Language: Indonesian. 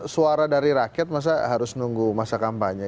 suara rakyat ini harus menunggu masa kampanye